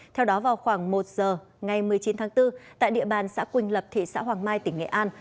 theo đó vào khoảng một giờ ngày một mươi chín tháng bốn tại địa bàn xã quỳnh lập thị xã hoàng mai tỉnh nghệ an